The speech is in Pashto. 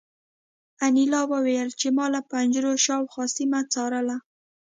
انیلا وویل چې ما له پنجرو شاوخوا سیمه څارله